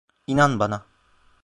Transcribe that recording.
İnan bana.